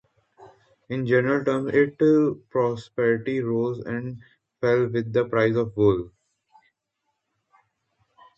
In general terms, its prosperity rose and fell with the price of wool.